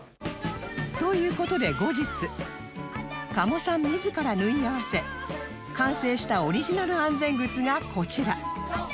という事で後日加茂さん自ら縫い合わせ完成したオリジナル安全靴がこちら！